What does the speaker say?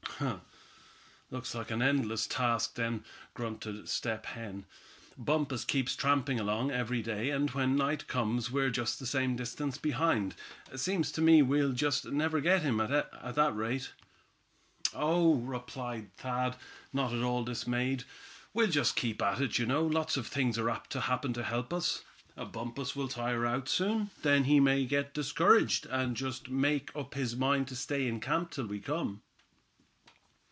"Huh! looks like an endless task, then," grunted Step Hen. "Bumpus keeps tramping along, every day, and when night comes we're just the same distance behind. Seems to me we'll just never get him at that rate." "Oh!" replied Thad, not at all dismayed, "we'll just keep at it, you know. Lots of things are apt to happen to help us. Bumpus will tire out soon. Then he may get discouraged, and just make up his mind to stay in camp till we come."